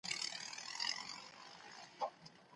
هغه څوک چي زکات ورکوي ډېر ثواب ګټي.